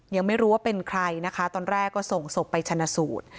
ยังไม่รู้ว่าเป็นใครนะคะตอนแรกก็ส่งศพไปชนะสูตร